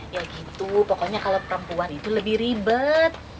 ya gitu pokoknya kalau perempuan itu lebih ribet